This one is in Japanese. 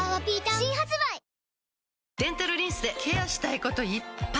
新発売デンタルリンスでケアしたいこといっぱい！